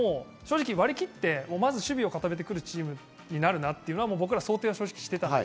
なので正直割り切って、まず守備を固めてくるチームになるなっていうのは想定していたんです。